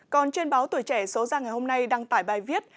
còn trên báo tuổi trẻ số ra ngày hôm nay đăng tải bài viết